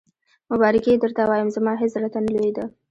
مبارکي یې درته وایم، زما هېڅ زړه ته نه لوېده.